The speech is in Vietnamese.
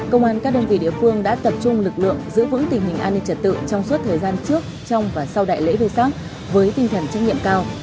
công an các đơn vị địa phương đã tập trung lực lượng giữ vững tình hình an ninh trật tự trong suốt thời gian trước trong và sau đại lễ về xác với tinh thần trách nhiệm cao